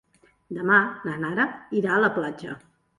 Demà na Nara irà a la platja.